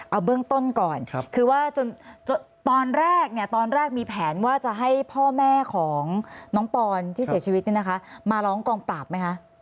เอาเบื้องต้นก่อนคือว่าตอนแรกเนี่ยตอนแรกมีแผนว่าจะให้พ่อแม่ของน้องปอนที่เสียชีวิตมาร้องกองปราบไหมคะ